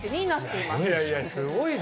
いやいやすごいな。